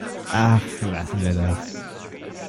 Ach, lassen wir das!